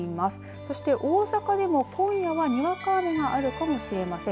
そして大阪でも今夜はにわか雨があるかもしれません。